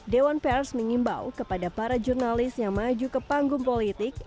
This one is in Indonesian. dewan pers mengimbau kepada para jurnalis yang maju ke panggung politik